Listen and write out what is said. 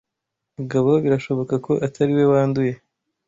Mugabo birashoboka ko atariwe wanduye.